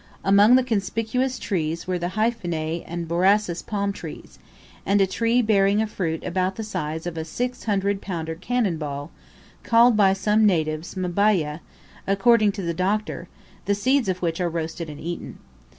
Among the conspicuous trees were the hyphene and borassus palm trees, and a tree bearing a fruit about the size of a 600 pounder cannon ball, called by some natives "mabyah,"* according to the Doctor, the seeds of which are roasted and eaten.